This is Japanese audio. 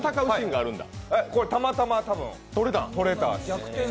これは、たまたま多分撮れた。